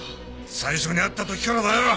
最初に会った時からだよ！